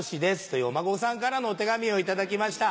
というお孫さんからのお手紙を頂きました。